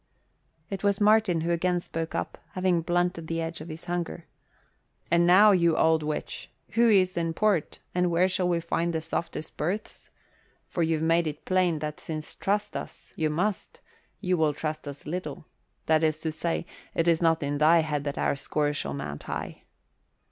It was Martin who again spoke up, having blunted the edge of his hunger. "And now, you old witch, who's in port and where shall we find the softest berths? For you've made it plain that since trust us you must, you will trust us little that is to say, it is not in thy head that our score shall mount high."